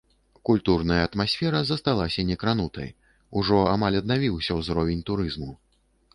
Культурная атмасфера засталася некранутай, ужо амаль аднавіўся ўзровень турызму.